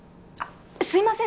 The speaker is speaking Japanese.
すいません